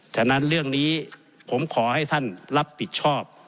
ฉะนั้นเรื่องนี้ผมขอให้ท่านรับผิดชอบ